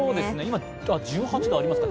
今１８度ありますか。